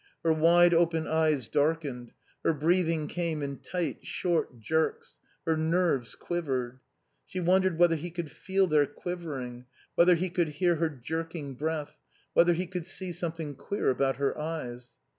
Her wide open eyes darkened; her breathing came in tight, short jerks; her nerves quivered. She wondered whether he could feel their quivering, whether he could hear her jerking breath, whether he could see something queer about her eyes.